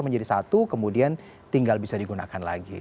menjadi satu kemudian tinggal bisa digunakan lagi